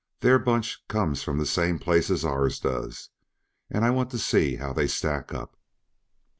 Their bunch comes from the same place ours does, and I want to see how they stack up."